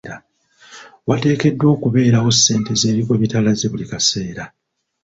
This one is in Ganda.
Wateekeddwa okubeerawo ssente ez'ebigwa bitalaze buli kaseera.